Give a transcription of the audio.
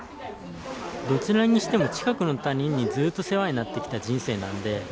どちらにしても近くの他人にずっと世話になってきた人生なのでうん。